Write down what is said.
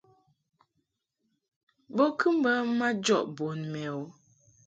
Bo kɨ mbə majɔʼ bun mɛ o.